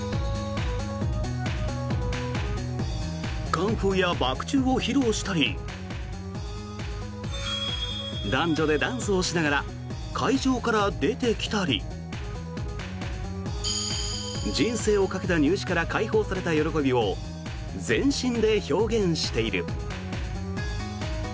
カンフーやバック宙を披露したり男女でダンスをしながら会場から出てきたり人生をかけた入試から解放された喜びを全身で表現している。